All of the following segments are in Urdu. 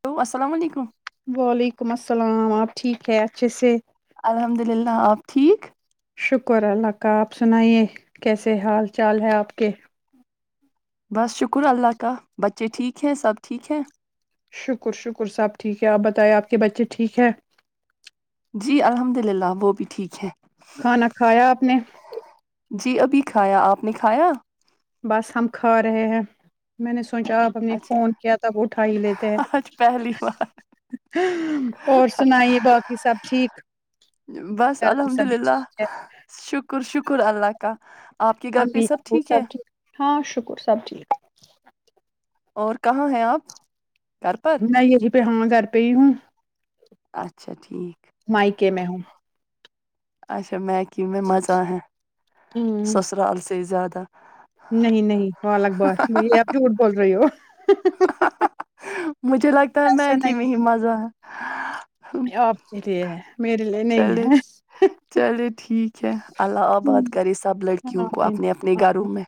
ہیلو السلام علیکم وعلیکم السلام آپ ٹھیک ہے اچھے سے الحمد للہ آپ ٹھیک شکر اللہ کا آپ سنائیے کیسے حال چال ہے آپ کے بس شکر اللہ کا بچے ٹھیک ہیں سب ٹھیک ہیں شکر شکر صاحب ٹھیک ہے آپ بتائیں آپ کے بچے ٹھیک ہیں جی الحمد للہ وہ بھی ٹھیک ہے کھانا کھایا آپ نے جی ابھی کھایا آپ نے کھایا بس ہم کھا رہے ہیں میں نے سوچا آپ ہم نے فون اچھا کیا تب اٹھا ہی لیتے آج پہلی بار ہیں اور سنائیے باقی سب ٹھیک گ بس میں الحمد سب للہ ٹھیک ہے شکر شکر اللہ کا آپ کے گھر پہ امی ابو ہے سب ٹھیک ہاں شکر سب ٹھیک اور کہاں ہیں آپ گھر پر نہیں پ ہاں گھر پہئی ہوں اچھا ٹھیک کہ میں ہوں اچھا میں کی میں مزہ ہے ہ سسرال سے سے زیادہ نہیں نہیں وال اکبار یہ آپ جھوٹ بول رہے ہو مجھے لگتا ہے ایسا میکی میں نہیں ہی مزہ ہے آپ ہے میرری چلیے چلیے ٹھیک اچھ اللہ آباد کرے سب لڑکیوں کو اپنے اپنے گھروں میں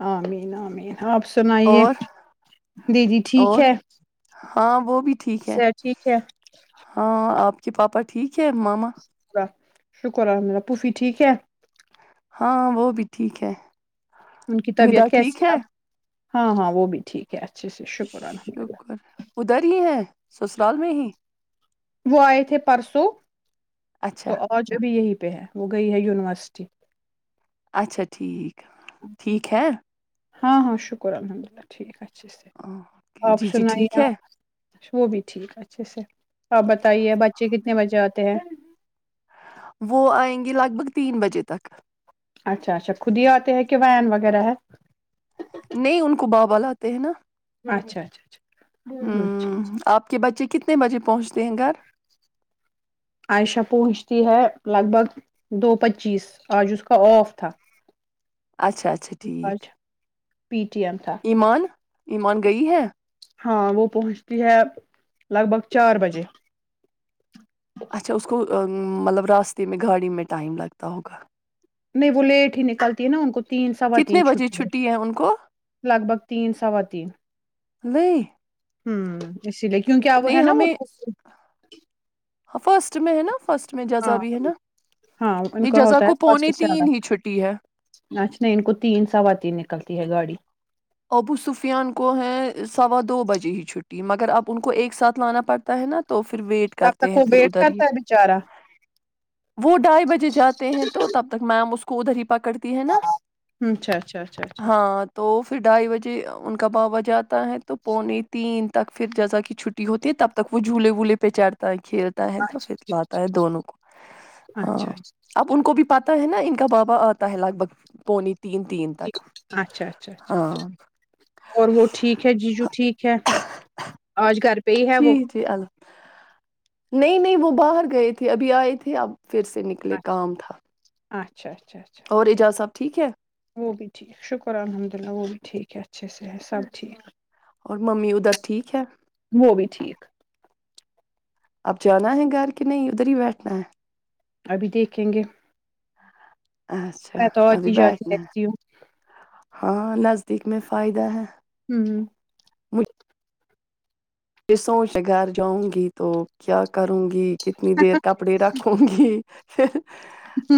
ہاں نام آپ سنائیے اور دی جی ٹھیک اور ہے ہاں وہ بھی ٹھیک ہے صحت ٹھیک ہے ہاں آپ کہ پاپا ٹھیک ہے ماما شہ شکر الحمد اللہ پوفی ٹھیک ہے ہاں وہ بھی ٹھیک ہے ان کی ندا طبیعت کیسی ٹھیک ہے اب ہاں ہاں وہ بھی ٹھیک ہے اچھے سے الحمد للہ شکر ادھر ہی ہیں سسرال میں ہی وہ آئے تھے پرسوں اچھا تو اورج ابھی یہی پہ ہے وہ گئی ہے یونیورسٹی اچھا ٹھیک ٹھیک ہے ہاں ہاں شکر الحمد للہ ٹھیک اچ اچ اوکے، جی جی آپشن آئی ٹھیک ہے وہ بھی ٹھیک ہے اچھے سے آپ بتائیے بچے کتنے بجے آتے ہیں وہ آئیں گے لگ بھگ تین بجے تک اچھا اچھا خود ہی آتے ہے کہ وان وغیرہ ہے نہیں ان کو بابا لاتے ہیں نا اچھا اچھا اچھا ہ اچھا آپ کے بچے کتنے بجے پہنچتے ہیں گھر عائشہ پہنچتی ہے لگ بھگ دو پچیس آج اس کا آف تھا اچھا اچھا ٹھیک آج پی ٹی ایم تھا ایمان ایمان گئی ہیں ہاں وہ پہنچتی ہے لگ بھگ چار بجے اچھا اس کو مطلب راستے میں گاڑی میں ٹائم لگتا ہوگا نہیں وہ لیٹ ہی نکلتی ہے نا ان کو تین کتنے سواتین بجے چھٹیں چھٹی ہے ان کو لگ بھگ تین سواتین و [unintelligible] کیونکہ ا وہ ہے نا وہ [unintelligible] ہاں فرسٹ میں ہے نا فرسٹ میں جزا ہاں بھی ہے نا ہاں ان یہ کا جزا ہوتا ہے کو فرسٹ پونے سے آدھا تین ہی چھٹی ہے اچھا نہیں ان کو تین سوا تین نکلتی ہے گاڑی ابو سفیان کو ہیں سوا دو بجے ہی چھٹی مگر اب ان کو ایک ساتھ لانا پڑتا ہے نا تو پھر ویٹ تب کرتے تک ہیں وہ پھر ویٹ ادھر ہی کرتا ہے بےچارا وہ ڈھائی بجے جاتے ہیں تو تب تک میم اس کو کوودری پکڑتی ہے نا اچھا اچھا اچھا اچھا ہاں تو ڈھائی بجے ان کا باابا جاتا ہے تو پونے تین تک پھر جزا کی چھٹی ہوتی ہے تب تک وہ جھولے وولے پہ چڑتا ہے کھیلتا ہے تو پک اچھا لاتا ہے دونوں کو اچھا ہاں اچھا اچھا اب ان کو بھی پاتا ہے نا ان کا بابا آتا ہے لگ بھگ پونی تین تین تک اچھا اچھا اچھا اچھا اچھا ہاں اور وہ ٹھیک ہے جیجو ٹھیک ہے آج گھر پہ ہی ہے جی وہ جی ال نہیں نہیں وہ باہر گئے تھے ابھی آئے تھے اب پھر سے نکلے کام تھا آٹھ اور اجاز سب ٹھیک ہے وہ بھی ٹھیک شکر الحمد ل اللہ وہ بھی ھیک ہےھ ا صحت سب ٹھیک اور ممی ادھر ٹھیک ہے وہ بھی ٹھیک اب جانا ہے گھر کہ نہیں ادھر ہی بیٹھنا ہے ابھی دیکھیں گے اچھا میں تو ابھی آتی جاتی بیٹھنا ہے رہتی ہاں ند دیکھ میں فائدہ ہے ہوں مجھے یہ سوچ گھر جاؤں گی تو کیا کروں گی کتنی دیر کپڑے رکھوں گی ہ [inaudible] [inaudible] ہ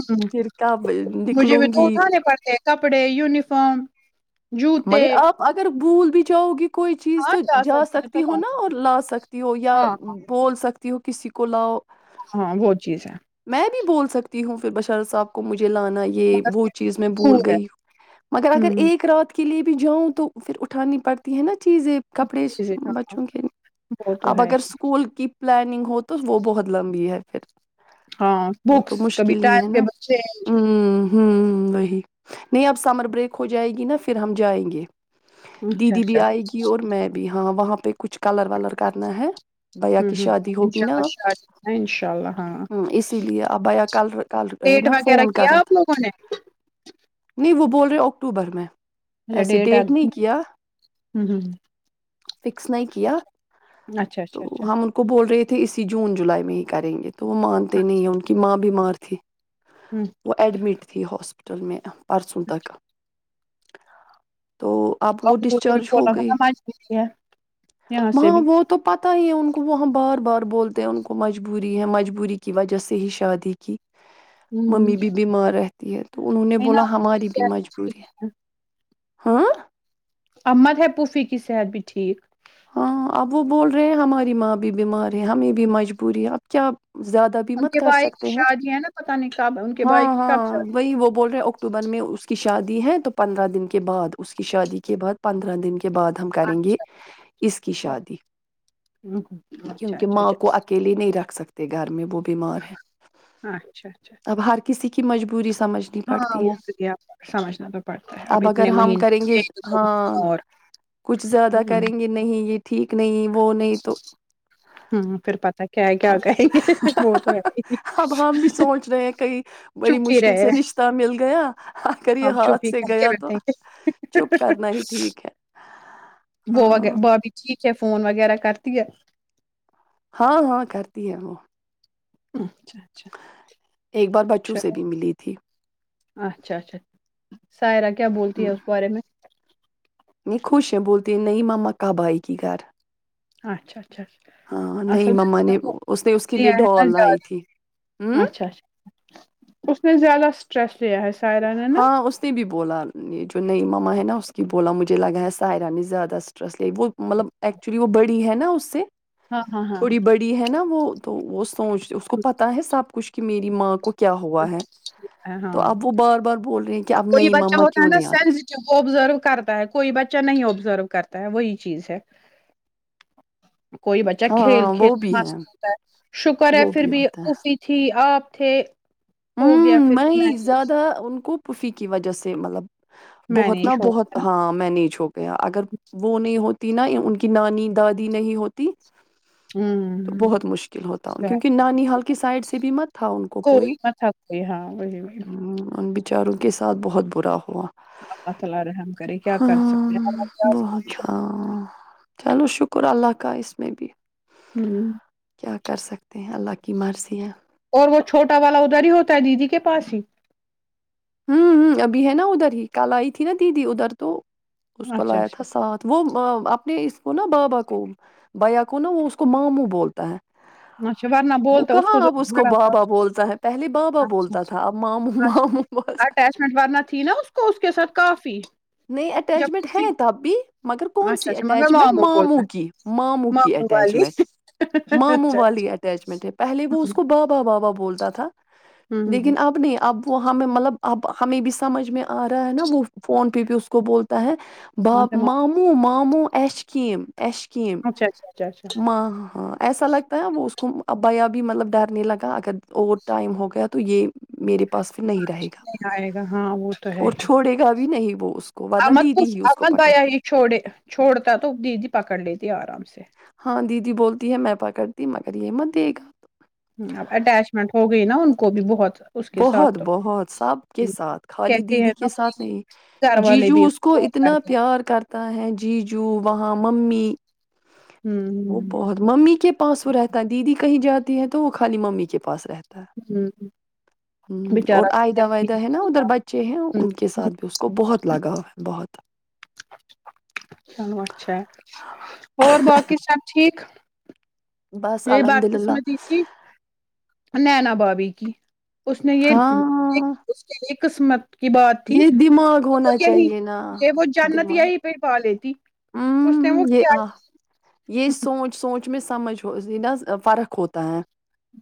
مجھے نکلوں بھی تو گی اٹھانے پڑتے ہیں کپڑے یونیفارم جوتے مگر آپ اگر بھول بھی جاؤ گی کوئی چیز تو جا سکتی ہو نا اور لا سکتی ہو یا ہاں بول سکتی توں کسی کوولؤ ہاں وہ چیز ہے میں بھی بول سکتی ہوں بشار صاحب کو مجھے لانا یہ مگر وہ پھر بھی چیز میں بھول دور ہے گئی ہوں مگر اگر ہوں ایک رات کے لیے بھی جاؤں تو پھر اٹھانی پڑتی ہے نا چیزیں کپڑے چیزیں، ہاں بچوں کے وہ تو اب ہے اگر اسکول کی پلاننگ ہو تو وہ بہت لمبی ہے پھر ہاں وہ تو بکس کبھی مشکل ہی ٹائم ہے نا ٹیبل چینج ہ ہ ہی نہیں اب سمر بریک ہو جائے گی نا پھر پھر ہم جائیں گے اچھا دیدی بھی اچھا آئے گی اور میں اب ہاں وہاں پہ کچھ کلر ولر کرنا ہے بیا ہوں کی ہوں شادی ہوگی انشاء نا اللہ آپ ہ شاید ہے انشاء اللہ ہاں اسی لیے اپ بیا کل ک رہے ڈیٹ نا وغیرہ فون کیا کرا تھا آپ لوگوں نے نہیں وہ بول رہے ہو اکٹوبر میں ایسے ڈیٹ نہیں کیا فکس نہیں کیا اچھا اچھا تو اچھا اچھا ہم ان کو بول رہے تھے تو اسی جون جولائی میں ہی کریں گے توے تو وہ مانتے نہیں ہیں ان کی ماں بیمار تھی ہوں وہ ایڈمٹ تھی ہاسپٹل ل میں پرسوں تکا تو اب وہ اور کو بھی ڈسچارج ہو بولا تھا گئی نا مجبوری ہے یہاں سے وہاں بھی وہ تو پتا ہی ہے ان کو وہاں بار بار بولتے ہیں ان کو مجبوری ہے مجبوری کی وجہ سے ہی شادی کی ہوں ممی بھی بیمار رہتی ہے تو انہوں نے ہے بولا نا ان کی ہماری بھی صحت مجبوری ہے ٹھیک ہاں امد ہے پوفی کی صحت بھی ٹھیک ہاں اب وہ بول رہے ہیں ہماری ماں بھی بیمار ہے ہمیں بھی مجبوری ہے اب کیا زیادہ بھی ان مت کے کر بھائی کی سکتے ہیں شادی ہے نا پتہ نہیں کب ان کے ہاں بھائی کی کب ہاں شادی وہی وہ بول رہے اکٹوبر میں اس شادی ہے تو پندرہ دن کے بعد اس کی شادی کے بعد پندرہ دن کے بعد ہم کریں گے کی شادی اچھا اچھا کیونکہ ماں اچھا کو اکیلے نہیں رکھ سکتے گے گھر میں بہت بیمار ہے اچھا اچھا اچھا اب ہر کسی کی مجبور پوری ہاں وہ لیے سمجھنا تو پڑتا ہے اب اگر اتنے ہم مہنے کریں گے ایک دو ہاں مہنے اور کچھ زیادہ ہ کریں گے نہیں یہ ٹھیک نہیں وہ نہیں تو ہوں، پھر پتا کیا ہے کیا کہیں گے وہ تو ہے ہی اب ہم بھی سوچ رہے ہیں کئی بڑی مشکل سے رشتہ مل گیا اگر اب یہ چپ ہاتھ ہی سے کر کے گیا تو چپ بیٹھے کرنا ہی ٹھیک ہے وہ اگر ہاں بھابی ٹھیک ہے فون وغیرہ کرتی ہے ہاں ہاں کرتی ہیں وہ [inaudible] ایک بار بچوں اچھا سے بھی ملی تھی اچھا اچھا سائرہ کیا بولتی ہے اس بارے میں یہ خوش ہیں بولتی نہیں مما کب آئے گ گھر اچھا اچھا ہاں اچھا نہیں اصل مما نے میں اس نے اس کے لیے لیا ہے نہ ڈال لائی تھی ہ زیادہ اچھا اچھا اس نے زیادہ آ سٹرس ہاں اس نے بھی بولا یہ جو ‌ نئی مما ہیں نا اس کی بولا مجھے لگا ہے سائرا نے زیادہ اسٹریس ل وہ مطلب ایکچولی وہ بڑی ہے نا اس سے ہاں ہاں ہاں تھوڑی بڑی ہے نا وہ تو وہ سوچتے اس کو پتا ہے سب کچھ کہ میری ماں کو کیا ہوا ہے ہاں تو اب وہ بار بار بول رہے ہیں کہ اب کوئی نئی بچہ مما ہوتا ہے کیوں نا نہیں آتی سینسیٹیو وہ ابزرو کرتا ہے کوئی بچہ نہیں ابزرو کرتا کرتا ہے وہی چیز ہے کوئی بچہ کھیل ہاں وہ کھیل بھی مست ہوتا ہے شکر ہے وہ پھر بھی ہوتا افی تھی آپ تھے ہو گیا ہاں پھر میں زیادہ ان کو پوفی کی وجہ سے مطلب بہت نا مینج ہو بہت گیا نا ہاں میں نہیں چھو گیا اگر وہ نہیں ہو نا ان کی نانی دادی نہیں ہوتی تو ہمم بہت مشکل ہوتا کیونکہ نانی حال کی سائڈ سے بھی مت تھا ان کو کوئی تھکی ہاں وہی بھی چاروں کے ساتھ بہت برا ہو اللہ تعالی رحم کرے کیا کر سکتے ہاں بہت ہاں چلو شکر اللہ کا اس میں بھی ہوں کیا کر سکتے ہیں اللہ کی مرضی ہے د ہوتا ہے دیدی کے پاس ہی ہوں ہ ابھی ہے نا ادھر ہی کل آئی تھی نا دیدی ادھر تو اس کو اچھا لایا تھا اچھا ساتھ وہ اپنے کو نا بابا کو بھیا کو نا وہ اس کو ماموں بولتا ہے اچھا ورنہ وہ بولتا کہاں جو اپ اس کو بڑا تھا بابا بولتا ہے پہلے بابا اچھا بولتا تھا اب ماموں اچھا اچھا ماموں بس اٹیچمنٹ ورننا تھی نا اس کو اس کے ساتھ کافی نہیں جب اٹیچمنٹ ہے تب بھی مگر کون اچھا سی اچھا مگر اٹیچمنٹ ماموں بولتا تھا کی کی ماموں والی اچھا ہی اٹیچمنٹ ہے پہے وہ ہمم اس کو بابا بابا بولتا ت تھا لیکن ہمم آپ نے اب وہ ہمیں مطلب اب ہمیں بھی سمجھ میں آ رہا ہے نا وہ فون پہ بھی اس کو بولتا ہے ب ہمم ماموں م ہموں اس کم ایشکیم اچھا اچھا اچھا اچھا ماں ہ ہاں ایسا لگتا ہے وہ اس ابیا بھی مطلب ڈرنے لگا اگر اوور ٹائم ہو گیا تو یہ میرے پاس پھر نہیں رہے گا نہیں آئے گا ہاں وہ تو ہے اور ہی چھوڑے گا بھی نہیں وہ اس کو ورنہ امد دیدی کچ ہی اس کو امد آیا پکڑتی ہی چھوڑے چھوڑتا تو دیدی پکڑ لیتی آرام سے اگر یہ مت د گات تو اب اٹیچمنٹ ہو گئی نا ان کو بھی بہت اس کے ساتھ بہت تو بہت سب کے ساتھ خالی کہتے دیدی ہیں نا کے ساتھ نہیں گھر والے جیجو بھی اس کو بہت اتنا کرتے ہیں پیار کرتا ہے جیجو وہاں ہاں ممی [inaudible] وہ ہمم بہت ممی کے پاس وہ رہتا دیدی [inaudible] کہیں جاتی ہے تو وہ خالی ممی کے پاس رہتی [inaudible] ہی ہ [inaudible] ہ اور آئدہ وائدہ ہے نا ادھر بچے ہیں ان کے ساتھ بھی اس کو بہت لگاؤ ہے بہت [inaudible] چلو اچھا اور باقی سب ٹھیک [inaudible] بس یہی بات الحمد تو اس للہ میں دی تھی [inaudible] نینا بابی کی [inaudible] اس نے ہاں یہ [inaudible] قسمت [inaudible] کی بات تھی یہ دماغ وہ ہونا یہی چاہیے نا یہ وہ جنت یہی پڑ پا لیتی [inaudible] اس نے ہوں وہ یہ کیا آ یہ سوچ سوچ [inaudible] چ میں سمجھ ہو ن فرق ہوتا ہے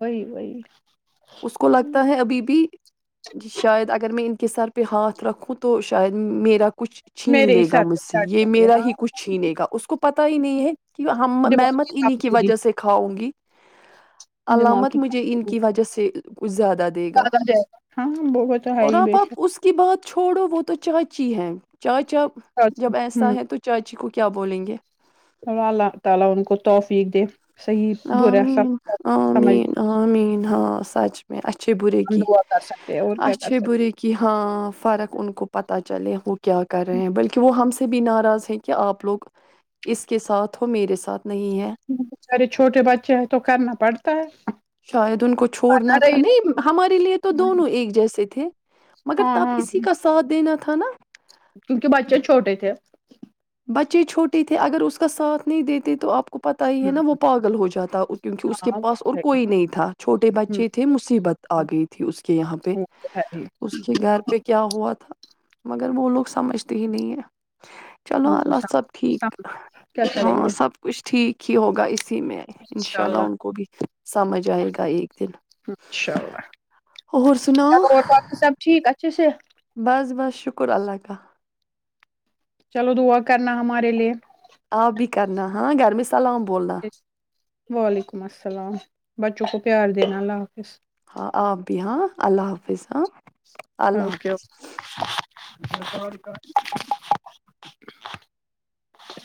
وہی وہی [inaudible] اس کو لگتا ہے ابھی بھی جی شاید اگر میں ان [inaudible] کہ سر پہ ہاتھ رکھوں تو شاید میرا [unintelligible] کچھ چھین میرے ہی لے گا سر مجھ پہ سے چڑھ یہ جائے میرا گا ہاں ہی [unintelligible] چھینے گا اس کو پتا ہی نہیں ہے کہ میں دماغ مت انہیں کی کمزوری وجہ سے کھاؤ [unintelligible] ں گی دماغ علامت کی مجھے ان کمزوری کی وجہ سے کچھ زیادہ دے گا زیادہ جائے ہاں وہ وہ تو ہے اور ہی آپ بے اپ شک اس کی بات چھوڑو وہ تو چاچی ہیں [unintelligible] چائے چاپ جب ایسا ہوں ہے تو [unintelligible] چی کو کیا بولیں گے [unintelligible] [unintelligible] ہ برا مین سب آ سمجھ مین آ مین ہاں سب م میں اچھے برے ہم کی دعا کر سکتے ہیں اور کیا کر اچھے برے کی ہاں فرق ان کو پتہ چ چلے ہوٹ کیا کر رہے ہیں بلکہ وہ ہم سے بھی ناراض ہیں کہ آپ لوگ اس کے ساتھ ہو میرے ساتھ نہیں ہے سکتے بچارے چھوٹے بچے ہیں تو کرنا پڑتا ہے شاید ان کو چھوڑنا تھا نہیں ہمارے لیے تو دونوں ایک جیسے تھے مگر ہاں تپ ہاں اسی کا ساتھ دینا تھا تھانا کیونکہ بچے چھوٹے تھے بچے چھوٹے تھے اگر اس کا ساتھ نہیں دیتے تو آپ کو پت ہی ہے نا وہ پاگل ہو جاتا کیونکہ اس کے ہاں وہ پاس اور تو ہے ہی کوئی نہیں تھا چھوٹے ہوں بچے تھے مصیبت آ گئی تھی اس کے یہاں پہ وہ تو ہے ہی اس کے ان گھر پہ کیا ہوا تھا مگر وہ لوگ سمجھتے ہی نہیں ہیں چلو کو اللہ سب ٹھیک سب کیا ہ کریں گے سب کچھ ٹھیک ہوگا اس میں آئے ان شاء اللہ ان کو بھی سمجھ آئے گا ایک دن انشاء اللہ اور سنا چلو اور باقی سب ٹھیک اچھے سے چلو دعا کرنا ہمارے لیے آپ بھی کرنا ہاں گھر میں سلام بولنا وعلیکم السلام بچوں کو پیار دین لا کے ہاں آ ا بھی ہاں اللہ حافظ ہاں اللہ حافظ اوکےک [unintelligible]